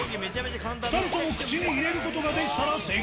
２人とも口に入れることができたら成功。